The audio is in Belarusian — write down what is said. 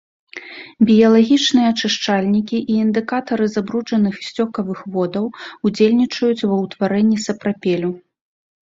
Біялагічныя ачышчальнікі і індыкатары забруджаных і сцёкавых водаў, удзельнічаюць ва ўтварэнні сапрапелю.